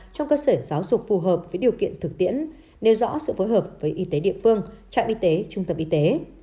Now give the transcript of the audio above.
trong cơ sở giáo dục phù hợp với điều kiện thực tiễn nêu rõ sự phối hợp với y tế địa phương trạm y tế trung tâm y tế